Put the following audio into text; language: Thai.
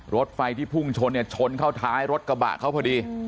รถไฟที่พุ่งชนเนี่ยชนเข้าท้ายรถกระบะเขาพอดี